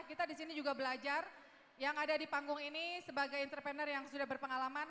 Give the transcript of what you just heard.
kita di sini juga belajar yang ada di panggung ini sebagai entrepreneur yang sudah berpengalaman